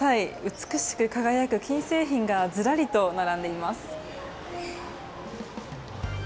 美しく輝く金製品がずらりと並んでいます。